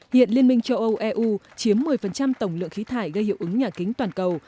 hiện liên minh châu âu eu chiếm một mươi tổng lượng khí thải gây hiệu ứng nhà kính toàn cầu